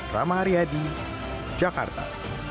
rama aryadi jakarta